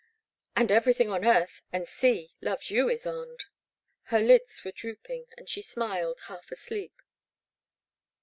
And ever5rthing on earth and sea loves you, Ysonde." Her lids were drooping, and she smiled, half asleep.